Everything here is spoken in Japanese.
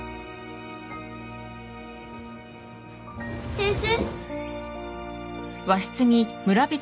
先生？